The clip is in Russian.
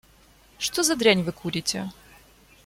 Что за дрянь Вы курите.